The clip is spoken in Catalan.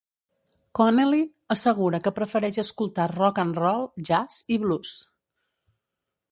Connelly assegura que prefereix escoltar rock and roll, jazz i blues.